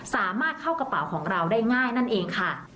สามารถเข้ากระเป๋าของเราได้ง่ายนั่นเองค่ะ